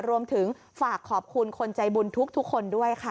รวมถึงฝากขอบคุณคนใจบุญทุกคนด้วยค่ะ